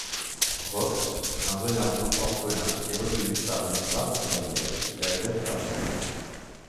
Rox, un renardeau orphelin, est recueilli par une brave fermière, la veuve Tartine.